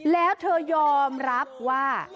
แล้วเธอยอมรับว่า